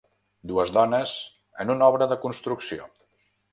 Dues dones en una obra de construcció.